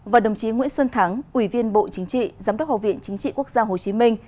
và đồng chí nguyễn xuân thắng ủy viên bộ chính trị giám đốc học viện chính trị quốc gia hồ chí minh